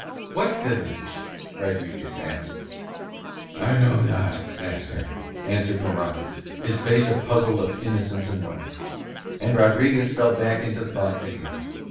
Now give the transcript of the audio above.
"What village?" Rodriguez asked. "I know not, master," answered Morano, his face a puzzle of innocence and wonder; and Rodriguez fell back into thought again.